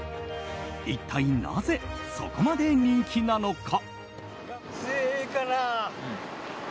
一体なぜそこまで人気なのか。